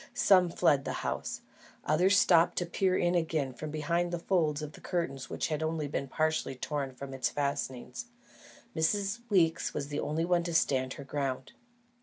Some fled the house; others stopped to peer in again from behind the folds of the curtain which had been only partially torn from its fastenings. Miss Weeks was the only one to stand her ground.